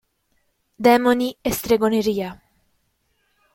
Demoni e stregoneria.